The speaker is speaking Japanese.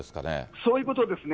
そういうことですね。